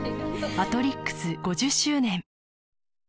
「アトリックス」５０周年